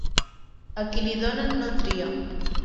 A qui li donen, no tria.